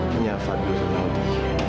punya fadil naudi